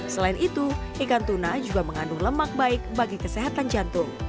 selain itu ikan tuna juga mengandung lemak baik bagi kesehatan jantung